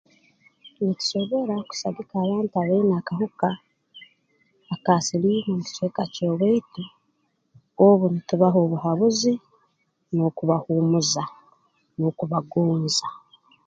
Nitusobora kusagika abantu abaine akahuka ka siliimu mu kicweka ky'owaitu obu nitubaha obuhabuzi n'okubahuumuza n'okubagonza